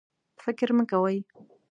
فکر مه کوئ